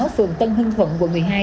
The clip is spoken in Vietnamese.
phường tân hưng thuận quận một mươi hai